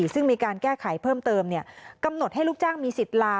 ซึ่งมีการแก้ไขเพิ่มเติมกำหนดให้ลูกจ้างมีสิทธิ์ลา